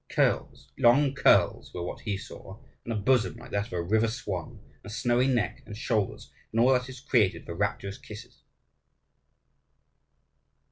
Curls, long curls, were what he saw; and a bosom like that of a river swan, and a snowy neck and shoulders, and all that is created for rapturous kisses.